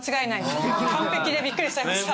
完璧でびっくりしちゃいました。